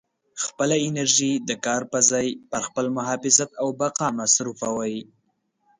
خپله انرژي د کار په ځای پر خپل محافظت او بقا مصروفوئ.